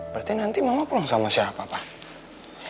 berarti nanti mama pulang sama siapa pak